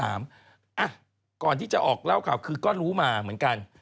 ก่อนที่จะออกเล่าข่าวคือก็รู้มาเหมือนกัน